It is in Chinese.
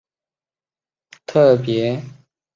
该基金会亦为联合国经济及社会理事会的特别顾问。